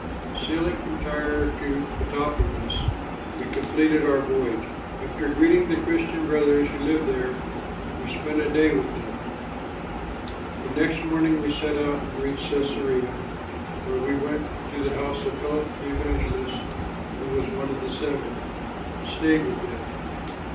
Sailing from Tyre to Ptolemais, we completed our voyage. After greeting the Christian brothers who lived there, we spent a day with them. The next morning we set out and reached Cæsarea, where we went to the house of Philip the evangelist, who was one of the Seven, and stayed with him.